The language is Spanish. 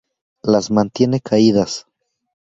Las mantiene caídas.